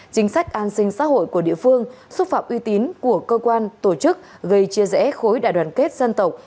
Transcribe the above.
chính sách an sinh xã hội của địa phương xúc phạm uy tín của cơ quan tổ chức gây chia rẽ khối đại đoàn kết dân tộc